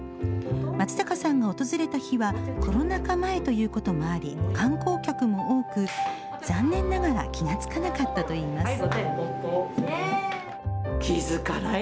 松坂さんが訪れた日はコロナ禍前ということもあり観光客も多く、残念ながら気が付かなかったといいます。